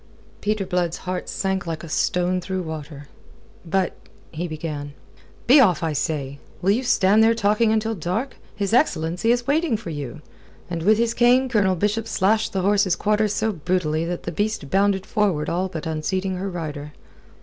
Peter Blood's heart sank like a stone through water. "But..." he began. "Be off, I say. Will you stand there talking until dark? His excellency is waiting for you." And with his cane Colonel Bishop slashed the horse's quarters so brutally that the beast bounded forward all but unseating her rider.